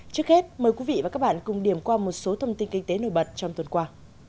trước hết mời quý vị và các bạn cùng điểm qua một số thông tin kinh tế nổi bật trong tuần qua